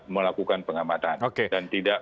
melakukan pengamatan dan tidak